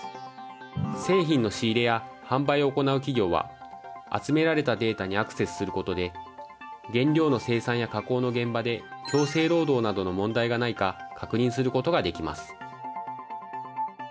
製品の仕入れや販売を行う企業は集められたデータにアクセスすることで原料の生産や加工の現場で強制労働などの問題がないか確認することが出来ます。